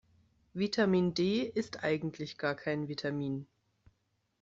Vitamin D ist eigentlich gar kein Vitamin.